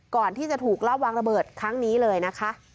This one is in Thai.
ก่อนที่จะถูกรอบวางระเบิดครั้งนี้เลยนะคะ